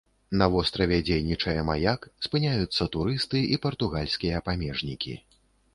На востраве дзейнічае маяк, спыняюцца турысты і партугальскія памежнікі.